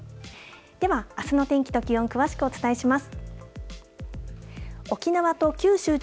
では、あすの天気と気温、詳しくお伝えします。